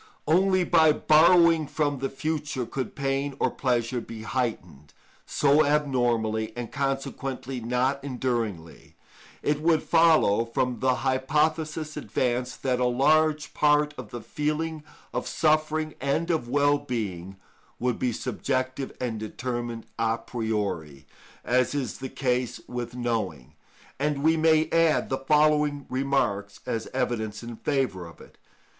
Only by borrowing from the future could pain or pleasure be heightened so abnormally, and consequently not enduringly. It would follow, from the hypothesis advanced, that a large part of the feeling of suffering and of well being would be subjective and determined a priori, as is the case with knowing; and we may add the following remarks as evidence in favour of it.